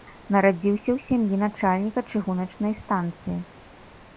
Нарадзіўся ў сям'і начальніка чыгуначнай станцыі.